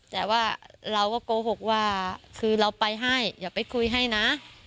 แต่ว่าเราก็โกหกว่าเราไปให้คุยให้นะ